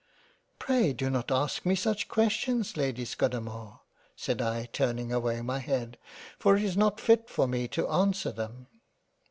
" Pray do not ask me such questions Lady Scudamore, said I turning away my head, for it is not fit for me to answer them."